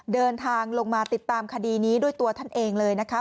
เดินทางลงมาติดตามคดีนี้ด้วยตัวท่านเองเลยนะคะ